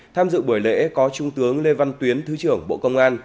tham dự buổi lễ có trung tướng lê văn tuyến thứ trưởng bộ công an